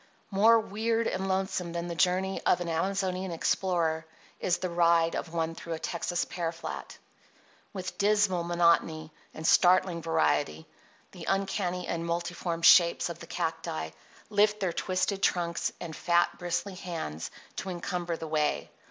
More weird and lonesome than the journey of an Amazonian explorer is the ride of one through a Texas pear flat. With dismal monotony and startling variety the uncanny and multiform shapes of the cacti lift their twisted trunks, and fat, bristly hands to encumber the way.